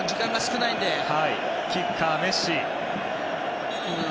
キッカーはメッシ。